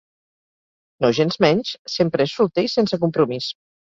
Nogensmenys, sempre és solter i sense compromís.